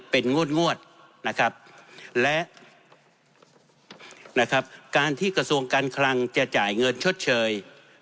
เป็นงวดนะครับและนะครับการที่กระทรวงการคลังจะจ่ายเงินชดเชย